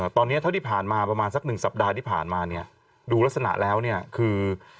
ตอนนี้เท่าที่ผ่านมาประมาณสักหนึ่งสัปดาห์ที่ผ่านมาเนี่ยดูลักษณะแล้วเนี่ยคือ